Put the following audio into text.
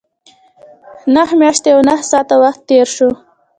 نهه میاشتې او نهه ساعته وخت تېر شو.